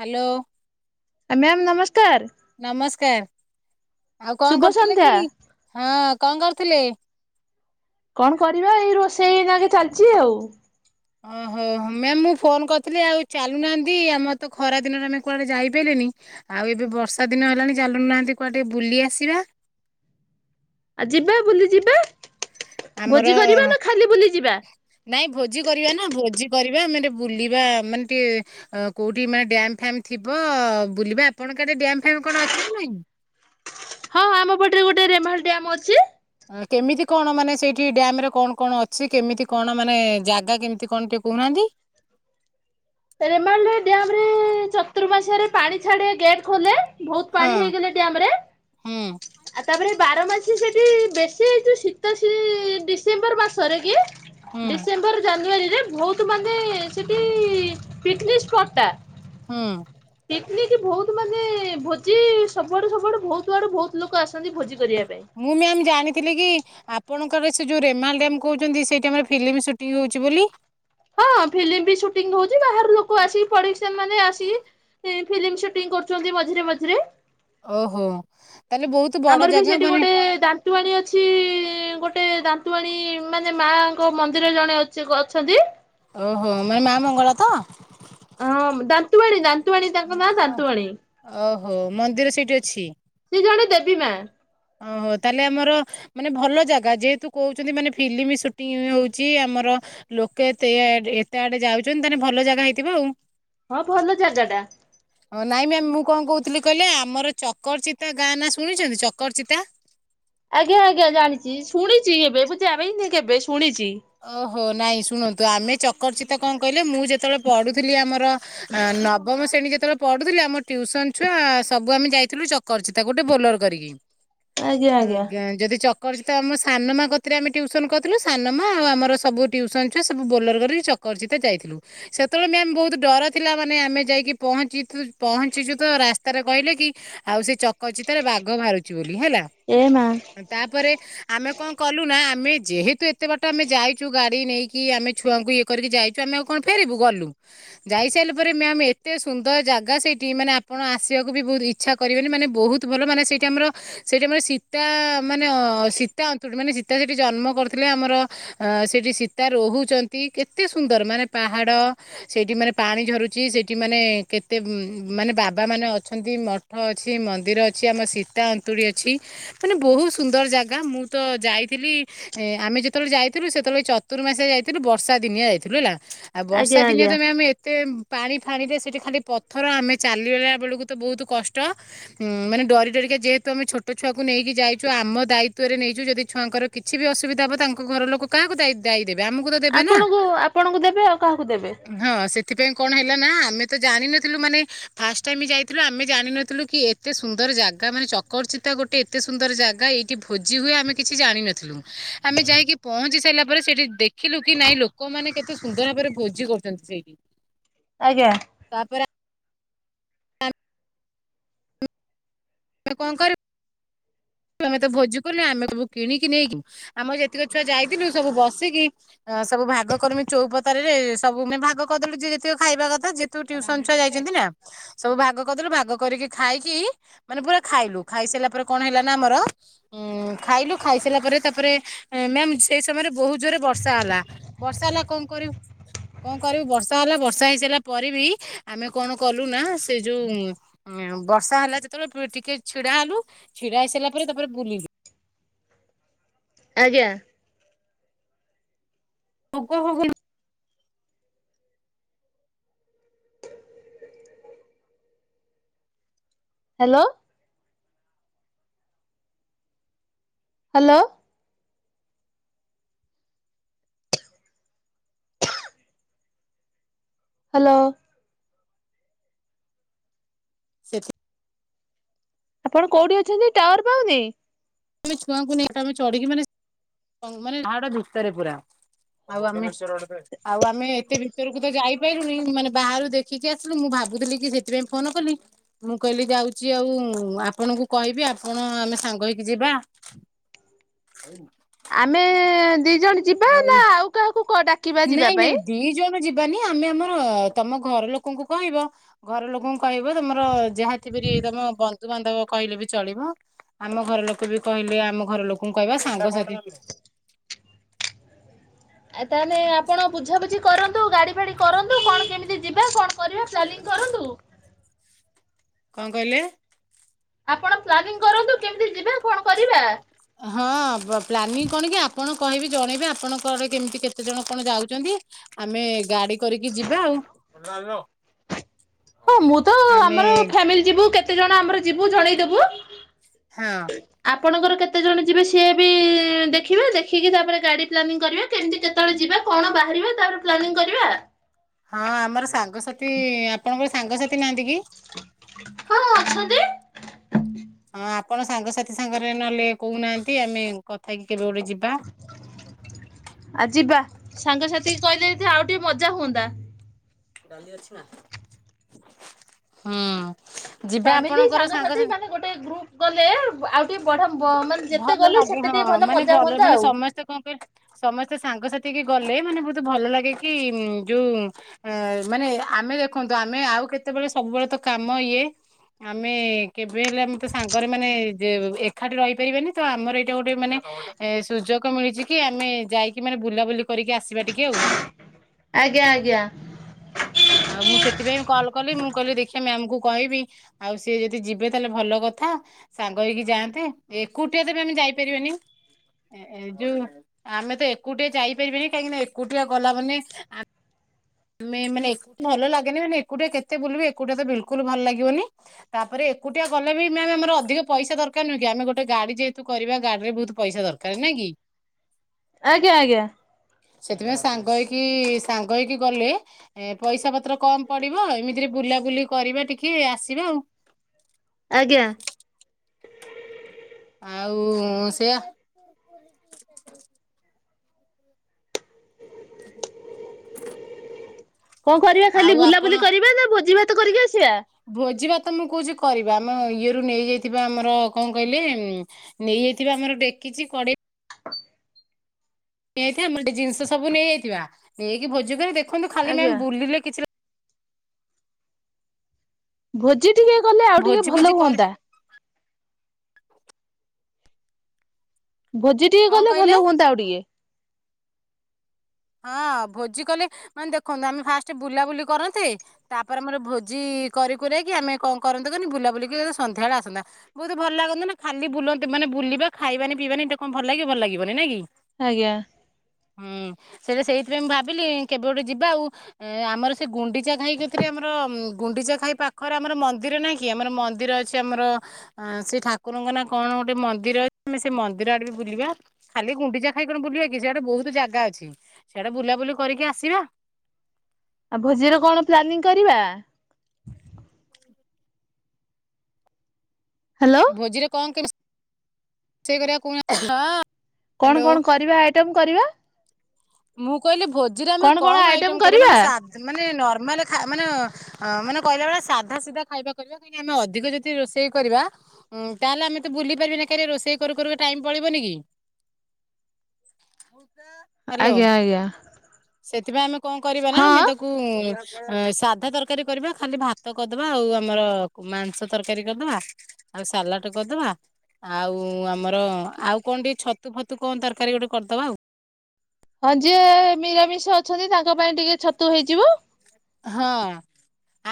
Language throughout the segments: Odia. ହାଲୋ। ଆ ମ୍ୟାମ୍ ନମସ୍କାର। ନମସ୍କାର ଆଉ ଶୁଭ କଣ କରୁଥିଲେ ସନ୍ଧ୍ୟା। କି ହଁ କଣ କରୁଥିଲେ? କଣ କରିବା ଏଇ ରୋଷେଇ ନାଗି ଚାଲିଚି ଆଉ। ଓହୋ ହଁ ମ୍ୟାମ୍ ମୁଁ ଫୋନ କରିଥିଲି ଆଉ ଚାଲୁନାହାନ୍ତି ଆମର ତ ଖରା ଦିନରେ ଆମେ କୁଆଡେ ଯାଇପାଇଲେନି। ଆଉ ଏବେ ବର୍ଷାଦିନ ହେଲାଣି ଚାଲୁ ନାହାନ୍ତି କୁଆଡେ ଟିକେ ବୁଲିଆସିବା। ଆଉ ଯିବା ବୁଲି ଯିବା। ଆମର ନାଇଁ ଭୋଜି କରିବା ନା ଭୋଜି କରିବା ଆମେ ଟିକେ ବୁଲିବା ମାନେ ଟିକେ ଅ କୋଉଠି ମାନେ ଡ୍ୟାମ୍ ଫ୍ୟାମ୍ ଥିବ ବୁଲିବା ଆପଣଙ୍କ ଆଡେ ଡ୍ୟାମ୍ ଫ୍ୟାମ୍ କଣ ଅଛି ନା ନାହିଁ। ହଁ ଆମ ପଟରେ ଗୋଟେ ରେମହାଳ ଡ୍ୟମ୍ ଅଛି। ଅ କେମିତି କଣ ମାନେ ସେଇଠି ଡ୍ୟାମରେ କଣ କଣ ଅଛି କେମିତି କଣ ମାନେ ଜାଗା କେମିତି କଣ ଟିକେ କହୁନାହାନ୍ତି। ରେମହାଳରେ ଡ୍ୟାମରେ ଚତୁର୍ମାସରେ ପାଣି ଛାଡେ ଗେଟ ଖୋଲେ। ଭୋଉତ ହଁ ପାଣି ହେଇଗଲେ ଡ୍ୟାମରେ ହୁଁ ଆଉ ତାପରେ ବାରମାସୀ ସେଠି ବେଶୀ ହେଇ ଯୋଉ ଶୀତ ସିରି ଡିସେମ୍ବର ମାସରେକି ହୁଁ ଡିସେମ୍ବର ଜାନୁଆରୀରେ ବୋହୁତ ମାନେ ସେଠି ପିକନିକ ସ୍ପଟଟା। ହଁ। ପିକନିକ ଭୋଉତ ମାନେ ଭୋଜି ସବୁଆଡୁ ସବୁଆଡୁ ଭୋଉତ ଆଡୁ ବୋହୁତ ଲୋକ ଆସନ୍ତି ଭୋଜି କରିବା ପାଇଁ। ମୁଁ ମ୍ୟାମ ଜାଣିଥିଲି କି ଆପଣଙ୍କର ସେ ଯୋଉ ରେମହାଳ ଡ୍ୟାମ କୋହୁଚନ୍ତି ସେଇଠି ଆମର ଫିଲିମ ସୁଟିଂ ହୋଉଚି ବୋଲି। ହଁ ଫିଲିମ ବି ସୁଟି ହୋଉଚି ବାହାର ଲୋକ ଆସିକି ପଡିସା ମାନେ ଆସିକି ଫିମ୍ ଫିଲିମ ସୁଟିଂ କରୁଚନ୍ତି ମଝିରେ ମଝିରେ। ଓହୋ ତାହେଲେ ବୋହୁତ। ଆମର ବି ସେଠି ଗୋଟେ ଦା ଦନ୍ତୁବାଣୀ ଅଛି ଗୋଟେ ଦାନ୍ତୁବାଣୀ ମାନେ ମାଙ୍କ ମନ୍ଦିର ଜଣେ ଅଛେ କ ଅଛନ୍ତି। ଓହୋ ମାନେ ମାଆ ମଙ୍ଗଳା ତ? ହଁ ଦାନ୍ତୁଆଣୀ ଦାନ୍ତୁଆଣୀ ତାଙ୍କ ନାଁ ଦାନ୍ତୁଆଣୀ ଓହୋ ମନ୍ଦିର ସେଇଠି ଅଛି? ସିଏ ଜଣେ ଦେବୀ ମାଆ। ଓହୋ ତାହେଲେ ଆମର ମାନେ ଭଲ ଜାଗା ଯେହେତୁ କୋହୁଚନ୍ତି ମାନେ ଫିଲ୍ମ ସୁଟିଂ ହୋଉଚି ଆମର ଲୋକେ ଏତେ ଇଏଆଡ ଏତେ ଆଡେ ଯାଉଚନ୍ତି ତାହେଲେ ଭଲଜାଗା ହେଇଥିବ ଆଉ। ହଁ ଭଲ ଜାଗାଟା। ହଁ ନାଇଁ ମ୍ୟାମ୍ ମୁଁ କଣ କୋହୁଥୁଲି କହିଲେ ଆମର ଚକରଚିତା ଗାଁ ନା ଶୁଣିଚନ୍ତି ଚ ଚକରଚିତା? ଆଜ୍ଞା ଆଜ୍ଞା ଜାଣିଚି ଶୁଣିଚି ଏବେ ମୁଁ ଯାବିନି କେବେ ଶୁଣିଚି। ଓହୋ ନାଇଁ ଶୁଣନ୍ତୁ ଆମେ ଚକରଚିତା କଣ କହିଲେ ମୁଁ ଯେତେବେଳେ ପଢୁଥିଲି ଆମର ଆ ନବମ ଶ୍ରେଣୀ ଯେତେବେଳେ ପଢୁଥିଲି ଆମର ଟ୍ୟୁସନ ଛୁଆ ସବୁ ଆମେ ଯାଇଥିଲୁ ଚକରଚିତା ଗୋଟେ ବୋଲର କରିକି। ଆଜ୍ଞା ଯଦି ଚକରଚିତା ଆମ ସାନମାଆ କତିରେ ଆମେ ଟ୍ୟୁସନ କରିଥୁଲୁ ସାନ ବାପ ମାଆ ଆଉ ଆମର ସବୁ ଟ୍ୟୁସନ ଛୁଆ ସବୁ ବୋଲୋର କରିକି ଚକରଚିତା ଯାଇଥିଲୁ। ସେତେବେଳେ ବି ଆମେ ବୋହୁତ ଡର ଥିଲା ମାନେ ଆମେ ଯାଇକି ପହଞ୍ଚି ତୁ ପହଞ୍ଚିଚି ତ ରାସ୍ତାରେ କହିଲେ କି ଆଉ ସେ ଚକଚିତାରେ ବାଘ ବାହାରୁଚି। ବାହାରୁଚି ବୋଲି ହେଲା ଏ ମା ନା ତାପରେ ଆମେ କଣ କଲୁ ନା ଆମେ ଯେହେତୁ କେତେ ବାଟ ଆମେ ଯାଇଚୁ ଗାଡି ନେଇକି ଆମେ ଛୁଆଙ୍କୁ ଇଏ କରିକି ଯାଇଚୁ ଆମେ ଆଉ କଣ ଫେରିବୁ ଗଲୁ। ଯାଇସାରିଲା ପରେ ମ୍ୟାାମ ଏତେ ସୁନ୍ଦର ଜାଗା ସେଇଠି ମାନେ ଆପଣ ଆସିବାକୁ ବି ବୋହୁତ ଇଛା ଇଛା କରିବେନି ମାନେ ବୋହୁତ ଭଲ ମାନ ସେଇଠି ଆମର ସେଇଟା ମାନେ ସୀତା ମାନେ ସୀତା ଅନ୍ତୁ ମାନେ ସୀତା ସେଠି ଜନ୍ମ କରିୁଥି ଆମର ସେଠି ସୀତା ରହୁଛନ୍ତି, କେତେ ସୁନ୍ଦର ମାନେ ପାହାଡ ସେଇଠି ମାନେ ପାଣି ଝରୁଛି ସେଇଠି ମାନେ କେତେ ମାନେ ବାବାମାନୋନେ ଅଛନ୍ତି ମ ଠ ଅଛି ମନ୍ଦିର ଅଛି ଆମ ସୀତା ଅନ୍ତୁଳି ଅଛି। ମାନେ ବୋହୁତ ସୁନ୍ଦର ଜାଗା ମୁଁ ତ ଯାଇଥିଲି। ଏ ଆମେ ଯେତେବେଳେ ଯାଇଥିଲୁ ସେତେବେଳେ ଚତୁର୍ମାସଆ ଯାଇଥିଲୁ ବର୍ଷା ଦିନିଆ ଯାଇଥିଲୁ ହେଲା। ଆଉ ବର୍ଷା ଆଜ୍ଞା ଦିନିଆ ଆଜ୍ଞା ତ ମ୍ୟାମ ଆମେ ଏତେ ପାଣି ଫାଣିରେ ସେଇଠି ଖାଲି ପଥର ଆମେ ଚାଲିଗଲା ବେଳକୁ ତ ବୋହୁତ କଷ୍ଟ। ଉ ମାନେ ଡରି ଡରିକା ଯେହେତୁ ଆମେ ଛୋଟ ଛୁଆକୁ ନେଇକି ଯାଇଚୁ ଆମ ଦାୟିତଵରେ ନେଇଚୁ ଯଦି ଛୁଆଙ୍କର କିଛି କିବେ ଅସୁବିଧା ହେବ ତାଙ୍କ ଘର ଲୋକ କାହାକୁ ଦାୟୀ ଯାଇ ଦେବେ ଆମକୁ ଦେବେ ନା ଆପଣଙ୍କୁ ଆପଣଙ୍କୁ ଦେବେ ଆଉ କାହାକୁ ଦେବେ? ହଁ ସେଥିପାଇଁ କଣ ହେଲା ନା ଆମେ ତ ଜାଣିନଥିଲୁ ମାନେ ଫାଷ୍ଟ ଟାଇମ ଯାଇଥିଲୁ ଆମେ ଜାଣିିନଥିଲୁ କି ଏତେ ସୁନ୍ଦର ଜାଗା ମାନେ ଚକରଚିତା ଗୋଟେ ଗୋଟେ ଏତେ ସୁନ୍ଦର ଜାଗା ଏଇଠି ଭୋଜି ହୁଏ ଆମେ କିଛି ଜାଣିିନଥିଲୁ। ଆମେ ଯାଇକି ପହଞ୍ଚି ସାରିଲା ପରେ ସେଇଠି ଦେଖିଲୁ କି ନାଇଁ ଲୋକମାନେ କେତେ ସୁନ୍ଦର ଭାବରେ ଭୋଜି କରୁଚନ୍ତି ସେଇଠି। [inaudible] ଆଜ୍ଞା। ତାପରେ [unintelligible] ଆମେତ ଭୋଜି କଲୁ ଆମେ ସବୁ କିଣିକି ନେଇକି ଆମର ଯେତିକି ଛୁଆ ଯାଇଥିଲୁ ସବୁ ବସିକି ଅ ସବୁ ଭାଗ କରମି ଚୋଉପତା ରେ ସବୁ ମାନେ ଭାଗ କରିଦେଲୁ ଯେତିକ ଖାଇବା କଥା ଯେ ତୁ ଟ୍ୟୁସନ ଛୁଆ ଯାଇଛନ୍ତି ନା ସବୁ ଭାଗ କରିଦେଲୁ ଭାଗ କରିକି ଖାଇକି ମାନେ ପୁରା ଖାଇଲୁ ଖାଇ ସାରିଲା ପରେ କଣ ହେଲା ନା ଆମର ଉଁ ଖାଇଲୁ ଖାଇସାରିଲା ପରେ ତାପରେ ମ୍ୟାମ୍ ସେଇ ସମୟରେ ବୋହୁତ ଜୋରେ ବର୍ଷା ହେଲା। ବର୍ଷା ହେଲା କଣ କରିବୁ କଣ କରିବୁ ବର୍ଷା ହେଲା ବର୍ଷା ହେଇସାରିଲା ପରେ ବି ଆମେ କଣ କଲୁ ନା ସେ ଯୋଉ ବର୍ଷା ହେଲା ଯେତେବେଳେ ଟିକେ ଛିଡା ହେଲୁ ଛିଡା ହେଇସାରିଲା ପରେ ତାପରେ ବୁଲିଲୁ। ଆଜ୍ଞା। [unintelligible] ହାଲୋ। ହାଲୋ। ହାଲୋ। ସେଥି ଆପଣ କୋଉଠି ଅଛନ୍ତି ଟାୱାର ପାଉନି? ଆମେ ଛୁଆଙ୍କୁ ନେଇ ଆମେ ଚଢିକି ମାନେ ପାହାଡ଼ ଭିତରେ ପୁରା। ଆଉ ଆମେ ଆଉ ଆମେ ଏତେ ଭିତରକୁ ତ ଯାଇ ମାନେ ବାହାରୁ ଦେଖିକି ଆସିଲି ମୁଁ ଭାବୁଥିଲି କି ସେଥିପାଇଁ ଫୋନ କଲି। ମୁଁ କହିଲି ଯାଉଚି ଆଉ ଆପଣଙ୍କୁ କହିବି ଆପଣ ଆମେ ସାଙ୍ଗ ହେଇ ଯିବା। ଆମେ ଦି ଜଣ ଯିବା ନା ଆଉ କାହାକୁ ଡାକିବା ଯିବା ପାଇଁ? ଦିଇ ଜଣ ଯି ଆମେ ଆମର ତମ ଘର ଲୋକଙ୍କୁ କହିବ ଘର ଲୋକଙ୍କୁ କହିବ ତମର ଯାହା ପରି ତମ ବ ବନ୍ଧୁ ବାନ୍ଧବ କହିଲେ ବି ଚଳିବ ଆମ ଘର ଲୋକ ବି କହିଲେ ଆମ ଘର ଲୋକଙ୍କୁ କହିବା ସାଙ୍ଗସାଥି ଆ ତାହେଲେ ଆପଣ ବୁଝାବୁଝି କରନ୍ତୁ ଗାଡି ଫାଡି କରନ୍ତୁ କଣ କେମିତି ଯିବା କଣ କରିବା ପ୍ଲାନିଙ୍ଗ କରନ୍ତୁ। କଣ କହିଲେ? ଆପଣ ପ୍ଲାନିଂ କରନ୍ତୁ କେମିତି ଯିବା କଣ କରିବା। ହଁ ପ୍ଲାନିଂ କଣ କି ଆପଣ କହିବି ଜଣେଇବେ ଆପଣଙ୍କ କେମିତି କେତେ ଜଣ କଣ ଯାଉଛନ୍ତି। ଆମେ ଗାଡି କରିକି ଯିବା ଆଉ ଆମେ ଫ୍ୟାମିଲୀ ଯିବୁ କେତେ କେତେ ଜଣ ଆମର ଯିବୁ ଜଣେଇଦବୁ ହଁ। ଆପଣଙ୍କର କେତେ ଜଣ ଯିବେ ସିଏ ବି ଦେଖିବେ ଦେଖିକି ତାପରେ ଗାଡି ପ୍ଲାନିଂ କରିବେ କେମିତି କେତେବେଳେ ଯିବା କଣ ବାହାରିବ ତାର ପ୍ଲାନିଂ କରିବା। ହଁ ଆମର ସାଙ୍ଗସାଥି ଆପଣଙ୍କର ସାଙ୍ଗସାଥି ନାହାନ୍ତି କି? ହଁ ଅଛନ୍ତି। ହଁ ଆପଣ ସାଙ୍ଗସାଥି ସାଙ୍ଗରେ ନହେଲେ କହୁନାହାନ୍ତି ଆମେ କଥା ହେଇକି କେବେ ଗୋଟେ ଯିବା। ଆ ଯିବା ସାଙ୍ଗସାଥି କହିଲେ ଆଉ ଟିକେ ମଜା ହୁଅନ୍ତା। ହୁଁ। ଯିବା ଫ୍ୟାମିଲି ଆପଣଙ୍କର ସାଙ୍ଗସାଥି ମାନେ ଗୋଟେ ଗ୍ରୁପ ଗଲେ ଆଉ ଟିକେ ବଢ଼ିଆ ଵ ମାନେ ଯେତେ ଭଲ ଗଲେ ଲାଗେ ସେତେ ହଁ ଟିକେ ଭଲ ମାନେ ମଜା ହୁଅନ୍ତା ମାନେ ଆଉ। ସମସ୍ତେ କଣ କରି। ସମସ୍ତେ ସାଙ୍ଗସାଥି ହେଇକି ଗଲେ ମାନେ ବହୁତ ଭଲ ଲାଗେ କି ଉଁ ଯୋଉ। ଏ ମାନେ ଆମେ ଦେଖନ୍ତୁ ଆମେ ଆଉ କେତେବେଳେ ସବୁବେଳେ ତ କାମ ଇଏ ଆମେ କେବେ ହେଲେ ଆମେତ ସାଙ୍ଗରେ ମାନେ କାଠି ରହିପାରିବୋନି ତ ଆମର ଏଇଟା ଗୋଟେ ମାନେ ସୁଜଗ ମିଳିଛି କି ଆମେ ଯାଇକି ମାନେ ବୁଲା ବୁଲି କରିକି ଆସିବା ଟିକେ ଆଉ। ଆଜ୍ଞା ଆଜ୍ଞା। ଆଉ ମୁଁ ସେଥିପାଇଁ କଲ କଲି ମୁଁ କହିଲି ଦେଖିବା ମ୍ୟାମ କୁ କହିବି। ଆଉ ସିଏ ଯଦି ଯିବେ ତାହେଲେ ଭଲ କଥା ସାଙ୍ଗ ହେଇକି ଯାଆନ୍ତେ। ଏକୁଟିଆ ତେବେ ଆମେ ଯାଇପାରିବାନି। ଏଇ ଯଉ ଆମେ ତ ଏକୁଟିଆ ଯାଇପାରିବାନି କାହିଁକି ନା ଏକୁଟିଆ ଗଲା ମାନେ ତମେ ମାନେ ଏକୁଟି ଭଲ ଲାଗେନି ମାନେ ଏକୁଟିଆ କେତେ ବୁଲିବି ଏକୁଟିଆ ତ ବିଲକୁଲ ଭଲ ଲାଗିବନି। ତାପରେ ଏକୁଟିଆ ଗଲେ ବି ମାମ ଆମର ଅଧିକ ପଇସା ଦରକାର ନୁହେଁ କି ଆମେ ଗୋଟେ ଗାଡି ଯେହେତୁ କରିବା ଗାଡି ରେ ବହୁତ ପଇସା ଦରକା କର ନାହିଁ କି। ଆଜ୍ଞା ଆଜ୍ଞା। ସେଥିପାଇଁ ସାଙ୍ଗ ହେଇକି ସାଙ୍ଗ ହେଇକି ଗଲେ ଏ ପଇସା ପତ୍ର କମ ପଡିବ ଏମିତିରେ ବୁଲାବୁଲି କରିବା ଟିକେ ଆସିବା ଆଉ। ଆଜ୍ଞା। ଆଉ ସେୟା କଣ କରିବା ଖାଲି ଆଉ ଆପଣ ବୁଲାବୁଲି କରିବା ନା ଭୋଜି ଭାତ କରିକି ଆସିବା। ଭୋଜି ଭାତ ମୁଁ କହୁଛି କରିବା ଆମ ଇଏରୁୁ ନେଇଯାଇଥିବା ଆମର କଣ କହିଲେ ନେଇଯାଇଥିବା ଆମର ଡେକିଛି କଢ଼େ ଇ ନେଇଯାଇଥିବା ଆମର ଜିନିଷ ସବୁ ନେଇଯାଇଥିବା ନେଇକି ଭୋଜି କରି ଦେଖନ୍ତୁ ଖାଲି ଆଜ୍ଞା ମ୍ୟାମ ବୁଲିଲେ କିଛି ଭୋଜି ଟିକେ କଲେ ଆଉ ଟିକେ ଭୋଜି ଭୋଜି ଭଲ କରି ହୁଅନ୍ତା। ଭୋଜି ଟିକେ କଣ ଗଲେ କହିଲେ ଭଲ ହୁଅନ୍ତା ଆଉ ଟିକେ। ହଁ ଭୋଜି କଲେ ମାନେ ଦେଖନ୍ତୁ ଆମେ ଫାଷ୍ଟ ବୁଲାବୁଲି କରନ୍ତେ ତାପରେ ଆମର ଭୋଜି କରି କୁରା କି ଆମେ କଣ କରନ୍ତେ କନି ବୁଲା ବୁଲିିକି ସନ୍ଧ୍ୟାବେଳେ ଆସନ୍ତା। ବହୁତ ଭଲ ଲାଗନ୍ତା ନା ଖାଲି ବୁଲନ୍ତି ମାନେ ବୁଲିବା ଖାଇବାନି ପିଇବାନି ଏଟେ କଣ ଭଲ ଲାଗିବ ଭଲ ଲାଗିବନି ନାଇ କି। ଆଜ୍ଞା। ହୁଁ ସେଟା ସେଇଥିପାଇଁ ମୁଁ ଭାବିଲି କେବେ ଗୋଟେ ଯିବା ଆଉ। ଅ ଆମର ସେ ଗୁଣ୍ଡିଚା ଘାଇ ପାଖରେ ଆମର ଗୁଣ୍ଡିଚା ଘାଇ ପାଖରେ ଆମର ମନ୍ଦିର ନାହିଁ କି ଆମର ମନ୍ଦିର ଅଛି। ଆମର ସେ ଠାକୁରଙ୍କ ନା କଣ ଗୋଟେ ମନ୍ଦିର ଅ ଆମେ ସେ ମନ୍ଦିର ଆଡେ ବି ବୁଲିବା। ଖାଲି ଗୁଣ୍ଡିଚା ଖାଇ କଣ ବୁଲିବା କି ସେଆଡେ ବହୁତ ଜାଗା ଅଛି ସିଆଡେ ବୁଲାବୁଲି କରିକି ଆସିବା। ଆଉ ଭୋଜିର କଣ ପ୍ଲାନିଂ କରିବା? ହ୍ୟାଲୋ। ଭୋଜିରେ କଣ କେମିତି ରୋଷେଇ କରିବା କହୁ ନାହାନ୍ତି? କଣ କଣ କରିବା ଆଇଟମ କରିବା? ମୁଁ କହିଲି ଭୋଜିରେ ଆମେ କମ ଆଇଟମ କରିବା ମାନେ ସା ମାନେ ନର୍ମାଲ ଖା ମାନେ ହଁ ମାନେ କହିଲା ବେଳେ ସାଧା ସିଧା ଖାଇବା କରିବା କାହିଁକି ଆମେ ଅଧିକ ଯଦି ରୋଷେଇ କରିବା ଉଁ ତାହେଲେ ଆମେ ତ ବୁଲି ପାରିବାନି ନା କିହିଁକି ନା ରୋଷେଇ କରୁ କରୁକା ଟାଇମ ପଳେଇବ ନିକି? ହ୍ୟାଲୋ ଆଜ୍ଞା ଆଜ୍ଞା ସେଥିପାଇଁ ଆମେ କଣ କରିବା ନା ଆମେ ହଁ ତାକୁ ଅ ସାଧା ତରକାରୀ କରିବା ଖାଲି ଭାତ କରିଦବା ଆଉ ଆମର ମାଂସ ତରକାରୀ କରିଦବା। ଆଉ ସାଲାଡ କରିଦବା ଆଉ ଆମ ଆମର ଆଉ କଣ ଟିକେ ଛତୁ ଫତୁ କଣ ତରକାରୀ ଗୋଟେ କରିଦବା ଆଉ। ହଁ ଯିଏ ମିରାମିଷ ଅଛନ୍ତି ତାଙ୍କ ପାଇଁ ଟିକେ ଛତୁ ହେଇଯିବ। ହଁ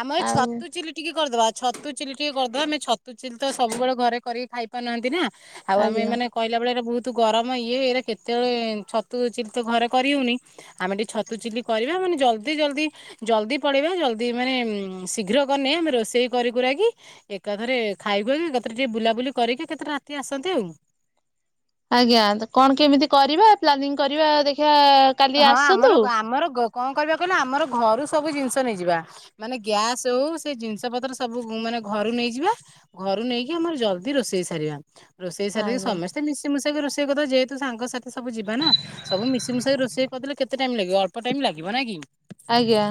ଆମ ଏ ଆଉ ଛତୁ ଚିଲି ଟିକେ କରିଦବା ଛତୁ ଚିଲି ଟିକେ କରିଦବା ଆମେ ଛତୁ ଚିଲି ତ ସବୁବେଳେ ଘରେ କରିକି ଖାଇ ପାରୁନାହାନ୍ତି ନା। ଆଉ ଆମେ ଆଜ୍ଞା ମାନେ କହିଲା ବେଳେ ଏରେ ବହୁତ ଗରମ ଇଏ ଏଇରେ କେତେବେଳେ ଛତୁ ଚିଲି ତ ଘରେ କରିହଉନି। ଆମେ ଟିକେ ଛତୁ ଚିଲି କରିବା ମାନେ ଜଲଦି ଜଲଦି ଜଲଦି ପଳେଇବା ଜଲଦି ମାନେ ଶୀଘ୍ର କରିନେ ଆମେ ରୋଷେଇ କରିକୁରାକି ଏକାଥରେ ଖାଇବା ଏକାଥରେ ଟିକେ ବୁଲାବୁଲି କରିକି ଏକା ଥରେ ରାତି ରେ ଆସନ୍ତେ ଆଉ। ଆଜ୍ଞା, କଣ କେମିତି କରିବା ପ୍ଲାନିଂ କରିବା ଦେଖିବା କାଲି ହଁ ଆମର ଆସନ୍ତୁ ଆମର କଣ କରିବା କହିଲା ଆମର ଘରୁ ସବୁ ଜିନିଷ ନେଇଯିବା। ମାନେ ଗ୍ୟାସ ହଉ ସେ ଜିନିଷ ପତ୍ର ସବୁ ମାନେ ଘରୁ ନେଇଯିବା। ଘରୁ ନେଇକି ଆମର ଜଲଦି ରୋଷେଇ ସାରିବା। ରୋଷେଇ ସାରି ଆଜ୍ଞା ସମସ୍ତେ ମିଶି ମିଶାକି ରୋଷେଇ କରିଦେବା ଯେହେତୁ ସାଙ୍ଗ ସାଥି ସବୁ ଯିବା ନା ସବୁ ମିଶି ମିଶାକି ରୋଷେଇ କରିଦେଲେ କେତେ ଟାଇ ଲାଗିବ ଅଳ୍ପ ଟାଇ ଲାଗିବ ନାଇଁ କି? ଆଜ୍ଞା।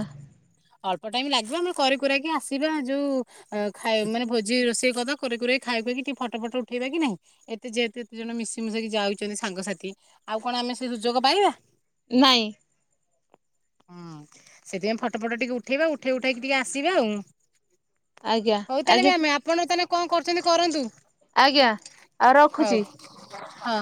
ଅଳ୍ପ ଟାଇମ୍ ଲାଗିବ ଆମେ କରିକୁରାକି ଆସିବା ଯୋଉ ଅ ଖାଇ ମାନେ ଭୋଜି ରୋଷେଇ କରିଦେବା କରେ କରେ ଖାଇଦେଇକି ଟିକେ ଫଟୋ ଫଟ ଉଠେଇବା କି ନାଇଁ? ଏତେ ଯେହେତୁ ଏତେ ଜଣ ମିଶିମୁସାଇକି ଯାଉଛନ୍ତି ସାଙ୍ଗସାଥି ଆଉ କଣ ଆମେ ସେ ସୁଯୋଗ ପାଇବା? ନାଇଁ। ହୁଁ ସେଥିପାଇଁ ଫଟୋ ଫଟ ଟିକେ ଉଠେଇବା ଉଠେଇ ଉଠେଇକି ଟିକେ ଆସିବା ଆଉ। ଆଜ୍ଞା ହଉ ତାହେଲେ ବି ଆଜ୍ଞା ଆମେ ଆପଣ ତାହେଲେ କଣ କରୁଛନ୍ତି କରନ୍ତୁ। ଆଜ୍ଞା, ଆଉ ହଉ ରଖୁଛି। ହଁ।